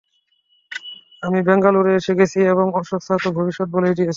আমি ব্যাঙ্গালোরে এসে গেছি, এবং অশোক স্যার তো ভবিষ্যতে বলেই দিয়েছেন।